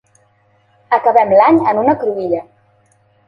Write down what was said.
Acabem l’any en una cruïlla.